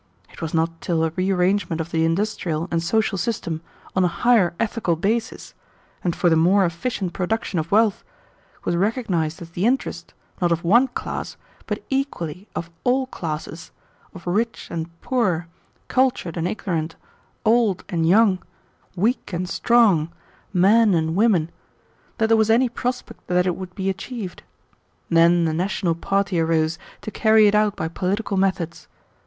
It was not till a rearrangement of the industrial and social system on a higher ethical basis, and for the more efficient production of wealth, was recognized as the interest, not of one class, but equally of all classes, of rich and poor, cultured and ignorant, old and young, weak and strong, men and women, that there was any prospect that it would be achieved. Then the national party arose to carry it out by political methods.